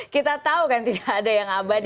kita tahu kan tidak ada yang abadi